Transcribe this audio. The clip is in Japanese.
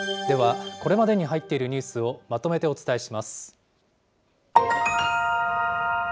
では、これまでに入っているニュースをまとめてお伝えします。